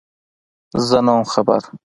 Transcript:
_زه نه وم خبر.